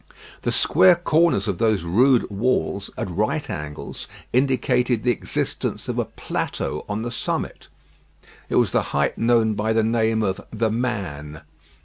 The square corners of those rude walls at right angles indicated the existence of a plateau on the summit. It was the height known by the name of "The Man."